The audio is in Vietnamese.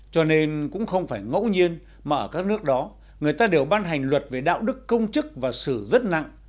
cho nên cũng không phải ngẫu nhiên mà ở các nước đó người ta đều ban hành luật về đạo đức công chức và xử rất nặng